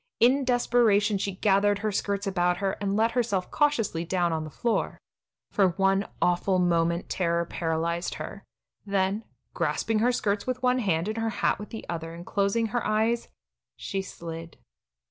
In desperation she gathered her skirts about her, and let herself cautiously down on the floor. For one awful moment terror paralyzed her, then, grasping her skirts with one hand and her hat with the other and closing her eyes, she slid.